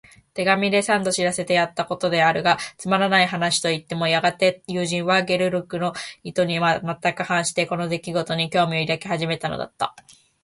手紙で三度知らせてやったことであるが、つまらない話といってもやがて友人は、ゲオルクの意図にはまったく反して、この出来ごとに興味を抱き始めたのだった。